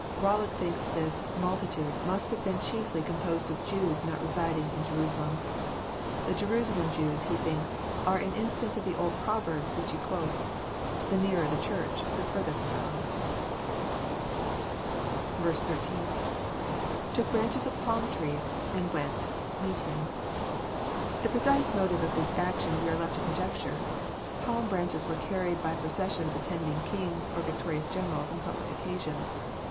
Bollock thinks this multitude must have been chiefly com* posed of Jews not residing in Jerusalem. The Jerusalem Jews, be thinks, are an instance of the old proverb, which he quotes, The nearer the Church the ftirther flrom God." 18.— [ Took branclieB of pcJm ireeSy and went.., meet him.'] The pre cise motive of this action we are left to conjecture. Palm branches were carried by processions attending kings or victo rious generals on public occasions.